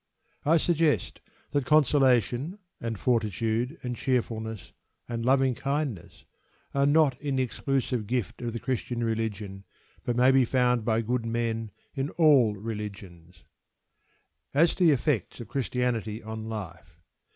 I suggest that consolation, and fortitude, and cheerfulness, and loving kindness are not in the exclusive gift of the Christian religion, but may be found by good men in all religions. As to the effects of Christianity on life.